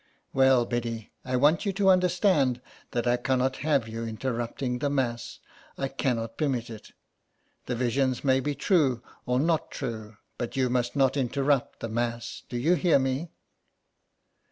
'' Well, Biddy, I want you to understand that I cannot have you interrupting the Mass. I cannot III SOME PARISHIONERS. permit it The visions may be true, or not true, but you must not interrupt the Mass. Do you hear me